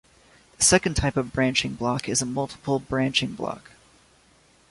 The second type of branching block is a multiple branching block.